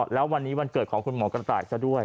แล้ววันนี้วันเกิดของคุณหมอกระต่ายซะด้วย